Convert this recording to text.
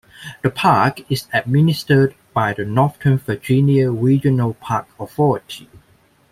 The park is administered by the Northern Virginia Regional Park Authority.